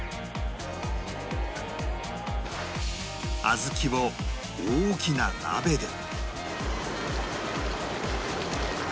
小豆を大きな鍋で